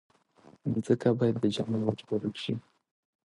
مځکه باید د جنګ نه وژغورل شي.